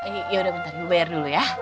yaudah bentar ibu bayar dulu ya